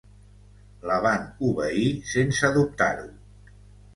La van obeir sense dubtar-ho.